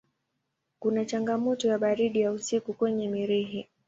Kuna changamoto ya baridi ya usiku kwenye Mirihi.